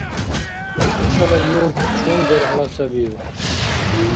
ХӀушала юрт чум дерхӀла сабив?